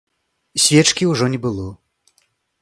Свечкі ўжо не было.